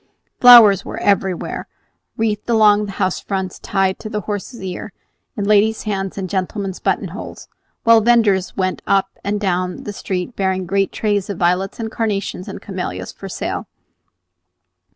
Flowers were everywhere, wreathed along the house fronts, tied to the horses' ears, in ladies' hands and gentlemen's button holes, while venders went up and down the street bearing great trays of violets and carnations and camellias for sale.